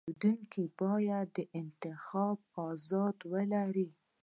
پیرودونکی باید د انتخاب ازادي ولري.